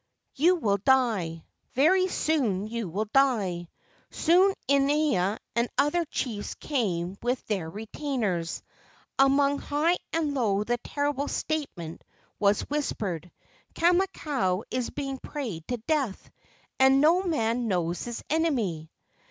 You will die. Very soon you will die." Soon Inaina and other chiefs came with their retainers. Among high and low the terrible statement was whispered: "Kamakau is being prayed to death, and no man knows his enemy."